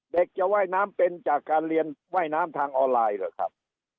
เด็กจะว่ายน้ำเป็นจากการเรียนว่ายน้ำทางออนไลน์เหรอครับ